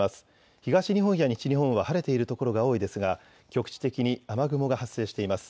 東日本や西日本は晴れている所が多いですが局地的に雨雲が発生しています。